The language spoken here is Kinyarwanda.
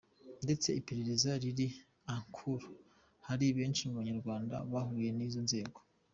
Ndetse iperereza riri en cours hari benshi mu banyarwanda bahuye n’izo nzego.